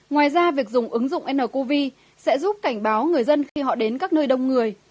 ngoài ra việc dùng ứng dụng ncov sẽ giúp cảnh báo người dân khi họ đến các nơi đông người